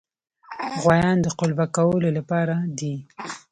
غوایان د قلبه کولو لپاره دي.